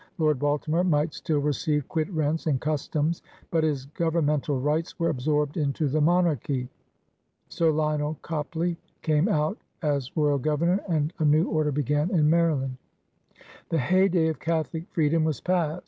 Lord Baltimore might still receive quit rents and customs, but his govern mental rights were absorbed into the monarchy. Sir Lionel Copley came out as Royal Governor, and a new order b^an in Maryland. The heyday of Catholic freedom was past.